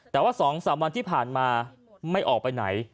แต่ว่า๒๓วันที่ผ่านมาไม่ออกไปไหน